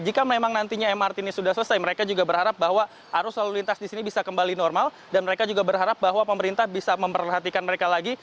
jika memang nantinya mrt ini sudah selesai mereka juga berharap bahwa arus lalu lintas di sini bisa kembali normal dan mereka juga berharap bahwa pemerintah bisa memperhatikan mereka lagi